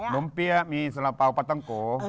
นมเบี้ยมีสาปเบาปัตตังโก